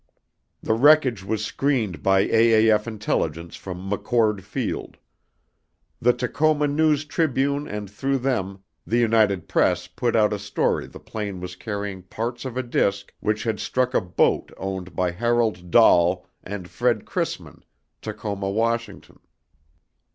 THE WRECKAGE WAS SCREENED BY AAF INTELLIGENCE FROM MCCHORD FIELD. THE TACOMA NEWS TRIBUNE AND THROUGH THEM THE UNITED PRESS PUT OUT A STORY THE PLANE WAS CARRYING PARTS OF A DISC WHICH HAD STRUCK A BOAT OWNED BY HAROLD DAHL AND FRED CRISMAN, TACOMA, WN.